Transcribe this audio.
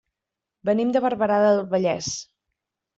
Venim de Barberà del Vallès.